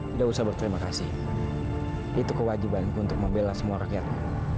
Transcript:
tidak usah berterima kasih itu kewajibanku untuk membela semua rakyatmu